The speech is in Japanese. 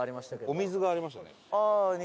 お水がありましたよね。